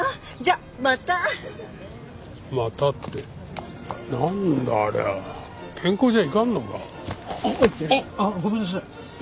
あっ！あっごめんなさい。